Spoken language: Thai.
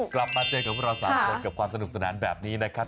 กลับมาเจอกับพวกเรา๓คนกับความสนุกสนานแบบนี้นะครับ